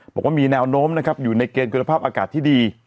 บอกว่ามีแนวโน้มนะครับอยู่ในเกณฑ์คุณภาพอากาศที่ดี